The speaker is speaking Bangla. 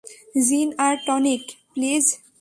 জিন আর টনিক, প্লিজ।